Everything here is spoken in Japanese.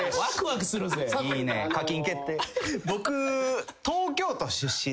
僕。